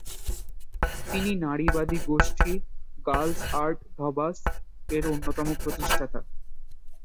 তিনি নারীবাদী গোষ্ঠী "গার্লস অ্যাট ধাবাস"এর অন্যতম প্রতিষ্ঠাতা।